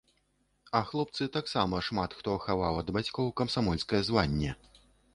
А хлопцы таксама шмат хто хаваў ад бацькоў камсамольскае званне.